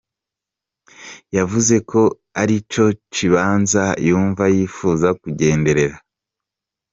Yavuze ko arico kibanza yumva yifuza kugendera.